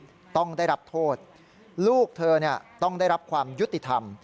ต้องได้รับโทษลูกเธอต้องได้รับความยุติธรรม